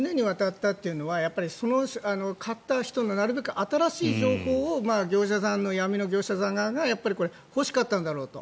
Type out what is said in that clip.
だから１０年にわたったというのは買った人が買った人のなるべく新しい情報を闇の業者さん側が欲しかったんだろうと。